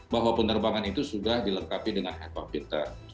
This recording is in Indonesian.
bahwa penerbangan itu sudah dilengkapi dengan air pump filter